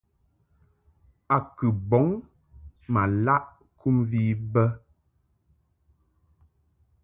A kɨ bɔŋ ma laʼ kɨmvi bə.